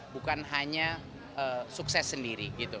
bukan hanya sukses sendiri